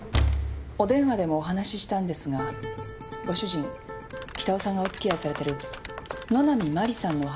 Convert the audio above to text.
お電話でもお話ししたんですがご主人北尾さんがおつきあいされてる野波真理さんのお話なんですけれども。